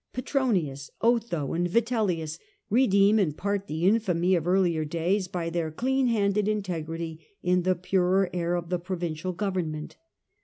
Petronius, Otho, and Vitellius redeem in part the infamy of earlier days by their clean handed integrity in the purer air of a provincial government.